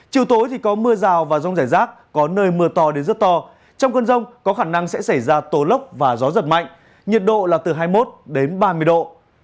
chiều tối thì có mưa rào và rông rải rác có nơi mưa to đến rất to trong cơn rông có khả năng sẽ xảy ra tố lốc và gió giật mạnh nhiệt độ là từ hai mươi một đến ba mươi độ